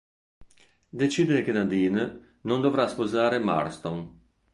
Decide che Nadine non dovrà sposare Marston.